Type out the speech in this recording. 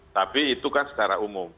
tapi itu kan secara umum